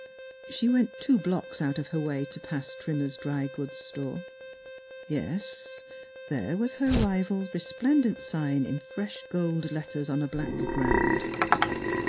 ..." She went two blocks out of her way to pass Trimmer's dry goods store. Yes, there was her rival's resplendent sign in fresh gold letters on a black ground.